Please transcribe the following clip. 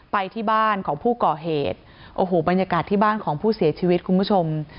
ไปที่บ้านของผู้ก่อเหตุโอ้โหบรรยากาศที่บ้านของผู้เสียชีวิตคุณผู้ชม